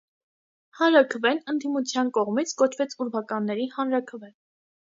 Հանրաքվեն ընդդիմության կողմից կոչվեց «ուրվականների հանրաքվե»։